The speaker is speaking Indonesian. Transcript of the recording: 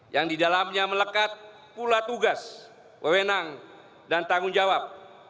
yang didalamnya melekat pula tugas wewenang dan tanggung jawab